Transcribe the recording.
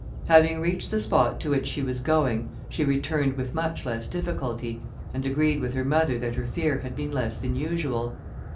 Having reached the spot to which she was going, she returned with much less difficulty, and agreed with her mother that her fear had been less than usual.